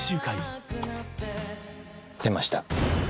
出ました。